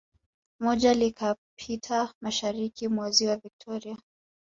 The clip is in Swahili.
Moja likapita mashariki mwa Ziwa Victoria